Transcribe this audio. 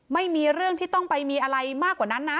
ไม่มีเรื่องที่ต้องไปมีอะไรมากกว่านั้นนะ